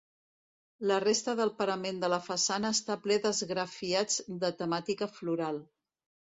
La resta del parament de la façana està ple d'esgrafiats de temàtica floral.